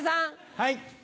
はい。